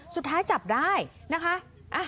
สุดท้ายจับได้นะคะ